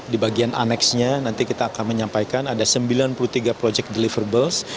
di bagian aneksnya nanti kita akan menyampaikan ada sembilan puluh tiga project deliverables